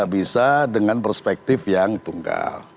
bisa dengan perspektif yang tunggal